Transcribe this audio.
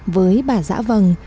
với bà giã vằng